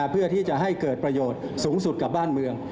เพื่อที่จะให้เกิดประโยชน์สูงสุดกับบ้านเมือง